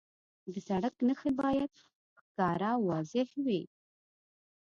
د سړک نښې باید ښکاره او واضح وي.